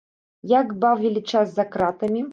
Як бавілі час за кратамі?